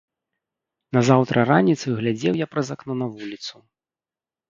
Назаўтра раніцаю глядзеў я праз акно на вуліцу.